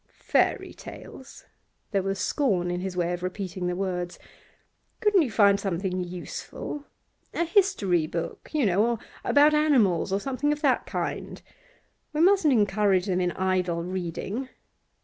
'Fairy tales!' There was scorn in his way of repeating the words. 'Couldn't you find something useful? A history book, you know, or about animals, or something of that kind. We mustn't encourage them in idle reading.